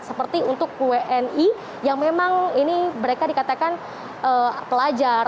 seperti untuk wni yang memang ini mereka dikatakan pelajar